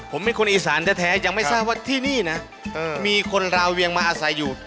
ผมเป็นคนอีสานแท้ยังไม่ทราบว่าที่นี่นะมีคนราเวียงมาอาศัยอยู่